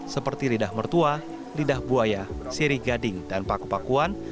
seperti lidah mertua lidah buaya sirigading dan paku pakuan